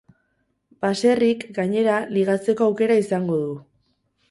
Baserrik, gainera, ligatzeko aukera izango du.